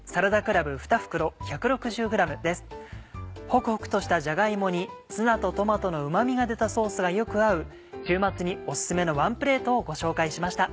ホクホクとしたじゃが芋にツナとトマトのうま味が出たソースがよく合う週末におすすめのワンプレートをご紹介しました。